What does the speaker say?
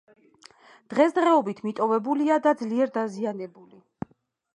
დღესდღეობით მიტოვებულია და ძლიერ დაზიანებული.